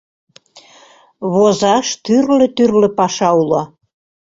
Возаш тӱрлӧ-тӱрлӧ паша уло.